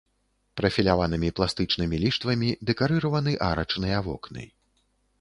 Прафіляванымі пластычнымі ліштвамі дэкарыраваны арачныя вокны.